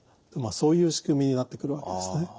そういう仕組みになってくるわけですね。